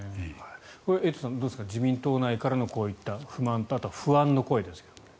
エイトさんどうですか自民党内からのこういった声とあと不安の声ですが。